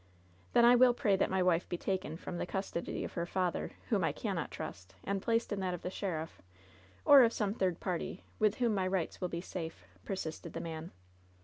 "Then I will pray that my wife be taken from the custody of her father, whom I cannot trust, and placed in that of the sheriff, or of some third party, with whom my rights will be safe," persisted the man.